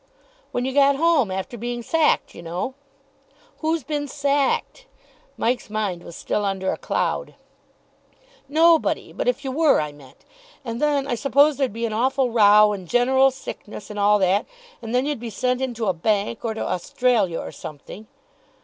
"When you got home. After being sacked, you know." "Who's been sacked?" Mike's mind was still under a cloud. "Nobody. But if you were, I meant. And then I suppose there'd be an awful row and general sickness, and all that. And then you'd be sent into a bank, or to Australia, or something."